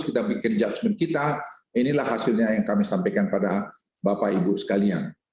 kita bikin judgement kita inilah hasilnya yang kami sampaikan pada bapak ibu sekalian